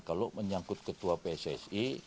kalau menyangkut ketua pssi